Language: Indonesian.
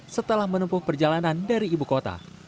setelah menempuh perjalanan dari ibu kota